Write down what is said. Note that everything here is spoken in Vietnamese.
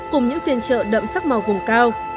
cùng những phiên chợ đậm sắc màu vùng cao